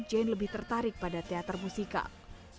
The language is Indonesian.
jane lebih tertarik pada teater musikal